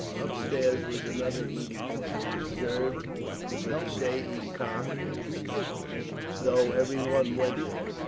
Upstairs was another eating place, reserved for the Tsay ee kah— though every one went there.